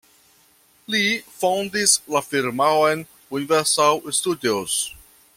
Li fondis la firmaon Universal Studios.